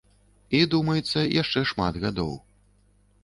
І, думаецца, яшчэ шмат гадоў.